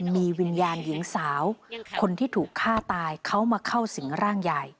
มีวิญญาณหญิงสาวคนที่ถูกฆ่าตายเขามาเข้าสิงร่างยาย